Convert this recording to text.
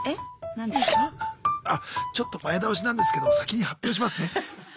あちょっと前倒しなんですけど先に発表しますね。